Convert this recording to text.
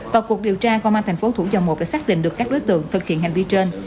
vào cuộc điều tra công an thành phố thủ dầu một đã xác định được các đối tượng thực hiện hành vi trên